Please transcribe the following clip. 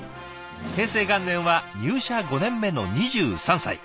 平成元年は入社５年目の２３歳。